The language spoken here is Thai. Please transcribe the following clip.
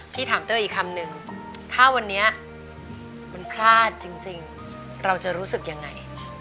พี่ถามเต้ยอีกคำนึงถ้าวันนี้มันพลาดจริงเราจะรู้สึกยังไง